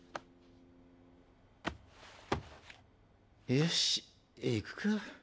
よし行くか。